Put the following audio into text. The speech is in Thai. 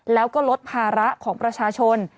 แล้วก็ลดภาระของประชาชน